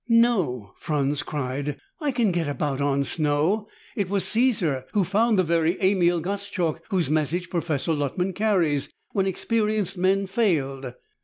"No!" Franz cried. "I can get about on snow! It was Caesar who found the very Emil Gottschalk whose message Professor Luttman carries, when experienced men failed!"